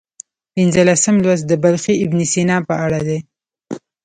پنځلسم لوست د بلخي ابن سینا په اړه دی.